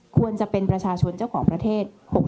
ควรจะเป็นประชาชนเจ้าของประเทศหกสิบแปดล้านคน